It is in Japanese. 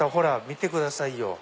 見てくださいよ。